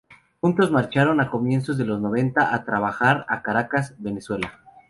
Juntos marcharon a comienzos de los noventa a trabajar a Caracas, Venezuela.